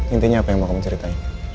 intinya apa yang mau kamu ceritain